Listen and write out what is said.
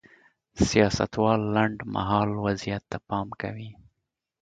سیاستوال لنډ مهال وضعیت ته پام کوي.